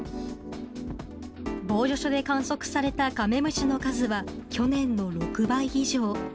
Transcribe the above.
防除所で観測されたカメムシの数は去年の６倍以上。